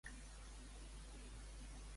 Respon al Jacob amb un correu electrònic.